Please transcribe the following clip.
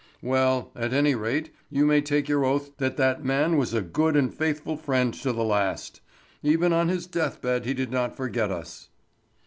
Well, at any rate you may take your oath that that man was a good and faithful friend to the last. Even on his death bed he did not forget us."